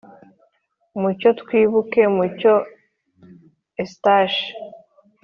mucyo twibuke mucyo eustache